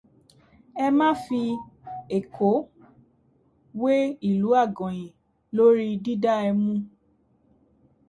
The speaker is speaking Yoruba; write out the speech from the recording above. Ẹ má fi Èkó wé ìlú àgànyìn lórí dídá ẹmu.